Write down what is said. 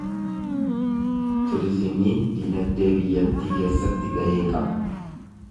Turizimiin dinagdee biyyattii keessatti gahee qaba.